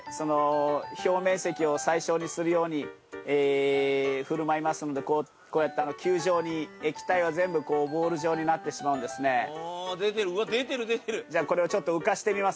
表面積を最小にするように振る舞いますのでこうやって球状に液体は全部ボール状になってしまうんですね出てるわっ出てる出てるこれをちょっと浮かしてみます